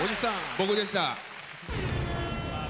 僕でした。